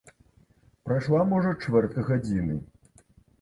Прайшла, можа, чвэртка гадзіны.